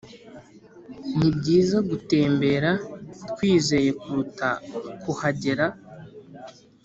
nibyiza gutembera twizeye kuruta kuhagera